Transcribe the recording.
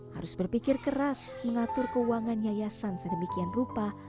harus berpikir keras mengatur keuangan yayasan sedemikian rupa